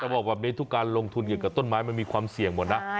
การลงทุนเกี่ยวเกี่ยวกับต้นไม้มันมีความเสี่ยงหมดนะ